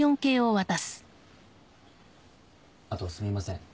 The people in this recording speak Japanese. あとすみません。